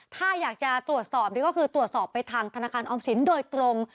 ถ้าอยากจะตรวจสอบนี่ก็คือตรวจสอบไปทางธนาคารออมสินโดยตรง